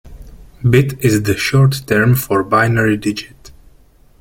Bit is the short term for binary digit.